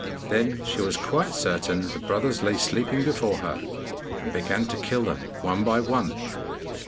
Then she was quite certain the brothers lay sleeping before her, and began to kill them one by one.